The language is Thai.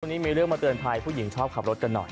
วันนี้มีเรื่องมาเตือนภัยผู้หญิงชอบขับรถกันหน่อย